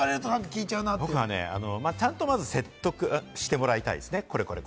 僕はね、ちゃんと説得してもらいたいですね。